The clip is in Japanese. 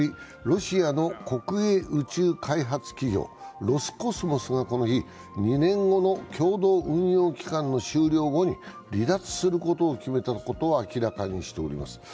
ロシアの国営宇宙開発企業ロスコスモスはこの日、２年後の共同運用期間の終了後に離脱することを決めたことを明らかにしています。